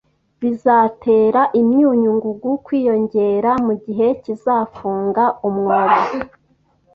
bizatera imyunyu ngugu kwiyongera mugihe kizafunga umwobo.